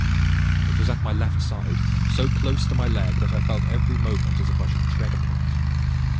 It was at my left side, so close to my leg that I felt every moment as if I should tread upon it.